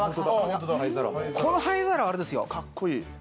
この灰皿は、あれですよ。